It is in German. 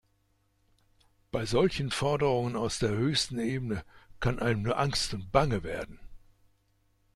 Bei solchen Forderungen aus der höchsten Ebene kann einem nur angst und bange werden.